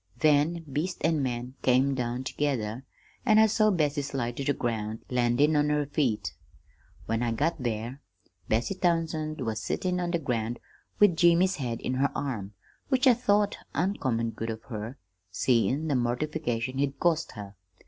Then beast and man came down together, and I saw Bessie slide to the ground, landin' on her feet. "When I got there Bessie Townsend was sittin' on the ground, with Jimmy's head in her arms, which I thought uncommon good of her, seein' the mortification he'd caused her.